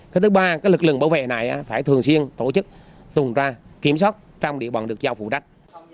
cái thứ ba cái lực lượng bảo vệ này phải thường xuyên tổ chức tùng ra kiểm soát trong địa bàn được giao phụ đách